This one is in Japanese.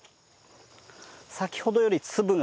先ほどより粒が。